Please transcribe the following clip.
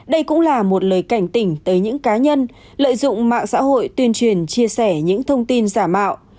đây cũng là một lời cảnh tỉnh tới những cá nhân lợi dụng mạng xã hội tuyên truyền chia sẻ những thông tin giả mạo